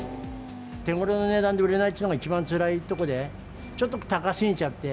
手ごろな値段で売れないというのが、一番つらいところで、ちょっと高すぎちゃって。